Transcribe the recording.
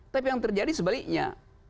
tapi yang terjadi sebaliknya